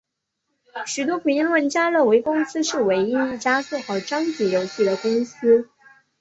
许多评论家认为公司是唯一一家做好章节游戏的公司。